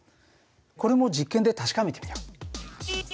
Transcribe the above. これも実験で確かめてみよう。